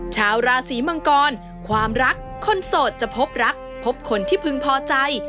ชาวราศีมังกรความรักคนโสดจะพบรักพบคนที่พึงพอใจ